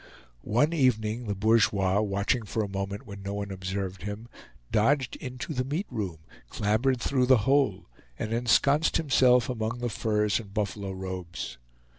One evening the bourgeois, watching for a moment when no one observed him, dodged into the meat room, clambered through the hole, and ensconced himself among the furs and buffalo robes.